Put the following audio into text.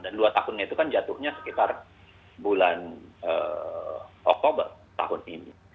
dan dua tahun itu kan jatuhnya sekitar bulan oktober tahun ini